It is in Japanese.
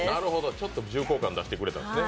ちょっと重厚感を出してくれたんですね。